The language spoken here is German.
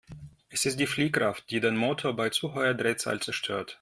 Es ist die Fliehkraft, die den Motor bei zu hoher Drehzahl zerstört.